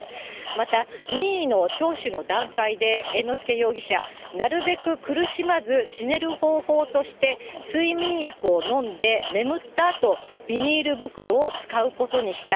また、任意の聴取の段階で、猿之助容疑者、なるべく苦しまず、死ねる方法として、睡眠薬を飲んで、眠ったあと、ビニール袋を使うことにした。